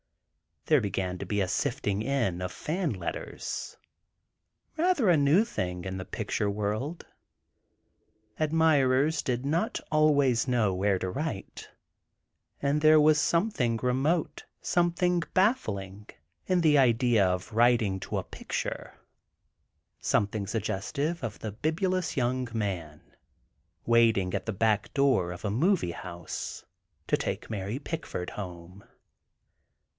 There began to be a sifting in of "fan" letters—rather a new thing in the picture world. Admirers did not always know where to write. And there was something remote, something baffling, in the idea of writing to a picture; something suggestive of the bibulous young man, waiting at the back door of a movie house "to take Mary Pickford home."